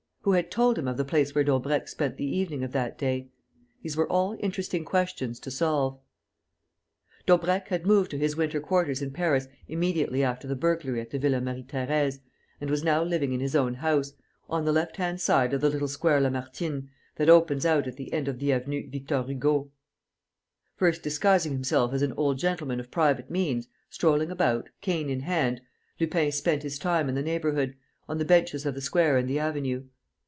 Who had told him of the place where Daubrecq spent the evening of that day? These were all interesting questions to solve. Daubrecq had moved to his winter quarters in Paris immediately after the burglary at the Villa Marie Thérèse and was now living in his own house, on the left hand side of the little Square Lamartine that opens out at the end of the Avenue Victor Hugo. First disguising himself as an old gentleman of private means, strolling about, cane in hand, Lupin spent his time in the neighbourhood, on the benches of the square and the avenue.